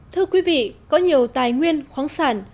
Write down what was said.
thưa quý vị có nhiều tài nguyên khoáng sản